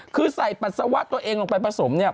คือใส่ปัสสาวะตัวเองลงไปผสมเนี่ย